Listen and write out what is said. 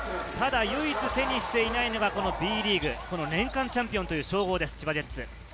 まだ唯一、手にしていないのが、このＢリーグ年間チャンピオンという称号です。